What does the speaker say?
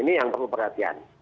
ini yang perlu perhatian